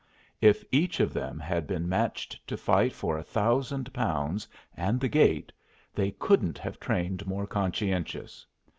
If each of them had been matched to fight for a thousand pounds and the gate, they couldn't have trained more conscientious.